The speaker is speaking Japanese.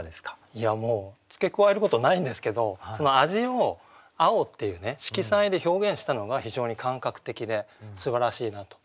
いやもう付け加えることないんですけどその味を「青」っていう色彩で表現したのが非常に感覚的ですばらしいなと。